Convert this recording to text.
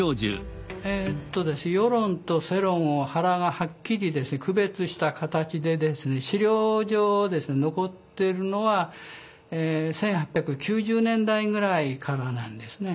「輿論」と「世論」を原がはっきり区別した形で資料上残ってるのは１８９０年代ぐらいからなんですね。